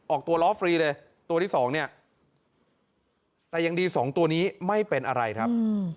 ออกตัวล้อฟรีเลยตัวที่สองเนี่ยแต่ยังดีสองตัวนี้ไม่เป็นอะไรครับ